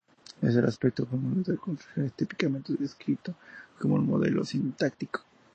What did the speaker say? El aspecto formal de una construcción es típicamente descrito como un modelo sintáctico.